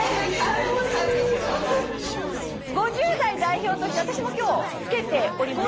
５０代代表として私も今日着けております。